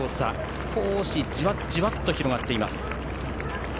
少し、じわじわ広がっています。